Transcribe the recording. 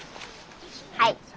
はい。